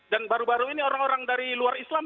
dan baru baru ini orang orang dari luar islam